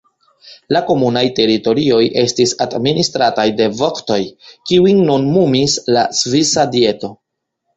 La komunaj teritorioj estis administrataj de voktoj, kiujn nomumis la Svisa Dieto.